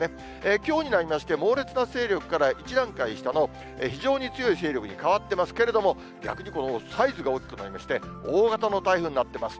きょうになりまして、猛烈な勢力から、１段階下の、非常に強い勢力に変わってますけれども、逆にこのサイズが大きくなりまして、大型の台風になってます。